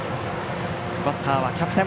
バッターはキャプテン。